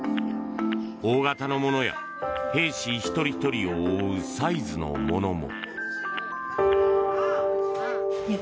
大型のものや兵士一人ひとりを覆うサイズのものも。